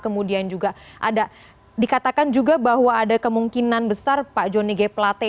kemudian juga ada dikatakan juga bahwa ada kemungkinan besar pak jonny g plate